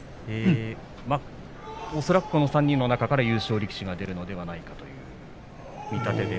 恐らくこの３人の中から優勝力士が出るのではないかという見立てで。